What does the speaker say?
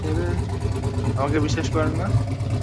আমাকে বিশ্বাস করেন না?